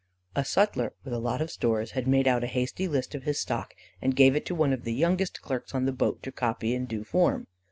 A sutler, with a lot of stores, had made out a hasty list of his stock, and gave it to one of the youngest clerks on the boat to copy out in due form.